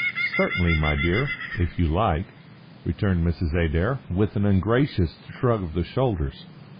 "Certainly, my dear, if you like," returned Mrs. Adair, with an ungracious shrug of the shoulders.